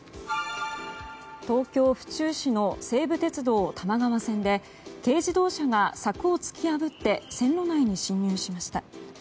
東京・府中市の西武鉄道・多摩川線で軽自動車が柵を突き破って線路内に進入しました。